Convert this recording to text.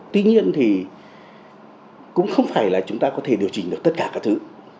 tuy nhiên thì cũng không phải là chúng ta có thể điều chỉnh được tất cả các thứ